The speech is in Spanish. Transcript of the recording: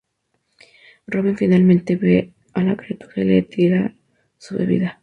Robin finalmente ve a la criatura, y le tira su bebida.